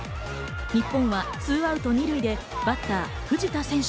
日本は２アウト２塁でバッター、藤田選手。